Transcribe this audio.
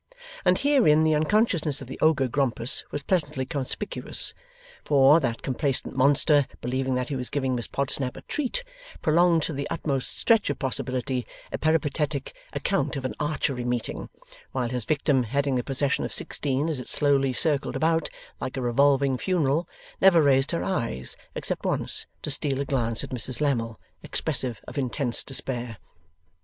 And herein the unconsciousness of the Ogre Grompus was pleasantly conspicuous; for, that complacent monster, believing that he was giving Miss Podsnap a treat, prolonged to the utmost stretch of possibility a peripatetic account of an archery meeting; while his victim, heading the procession of sixteen as it slowly circled about, like a revolving funeral, never raised her eyes except once to steal a glance at Mrs Lammle, expressive of intense despair.